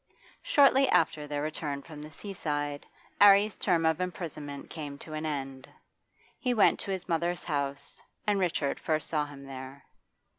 Shortly after their return from the seaside, 'Arry's term of imprisonment came to an end. He went to his mother's house, and Richard first saw him there.